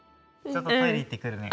ちょっとトイレ行ってくるね。